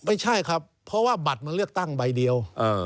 ไม่ใช่ครับเพราะว่าบัตรมันเลือกตั้งใบเดียว